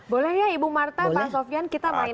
boleh ya ibu marta pak sofian kita main main sedikit